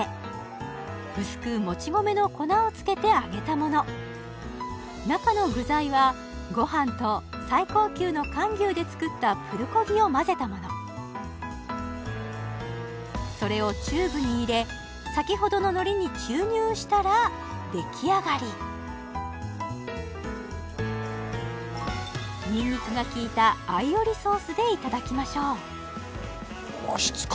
その名も中の具材はご飯と最高級の韓牛で作ったプルコギを混ぜたものそれをチューブに入れ先ほどの海苔に注入したら出来上がりニンニクがきいたアイオリソースでいただきましょう質感